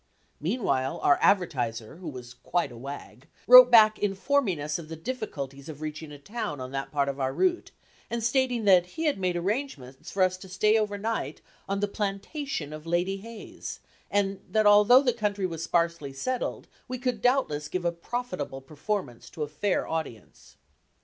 Meanwhile, our advertiser, who was quite a wag, wrote back informing us of the difficulties of reaching a town on that part of our route and stating that he had made arrangements for us to stay over night on the plantation of "Lady Hayes," and that although the country was sparsely settled, we could doubtless give a profitable performance to a fair audience.